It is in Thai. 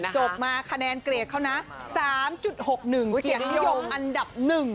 จบมาคะแนนเกรดเข้านะ๓๖๑เกี่ยวนิยมอันดับหนึ่ง